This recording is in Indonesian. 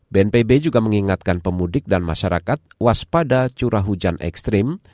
bnpb juga mengingatkan pemudik dan masyarakat waspada curah hujan ekstrim